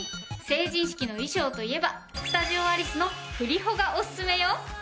成人式の衣装といえばスタジオアリスのふりホがおすすめよ！